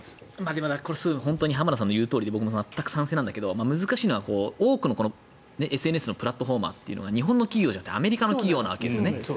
これ、まさに浜田さんの言うとおりで僕も全く賛成なんだけど難しいのが多くのプラットフォーマーが日本の企業じゃなくてアメリカの企業なんですよね。